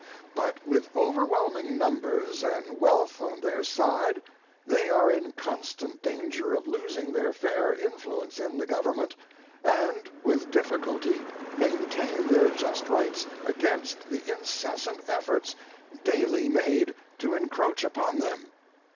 But with overwhelming numbers and wealth on their side they are in constant danger of losing their fair influence in the Government, and with difficulty maintain their just rights against the incessant efforts daily made to encroach upon them.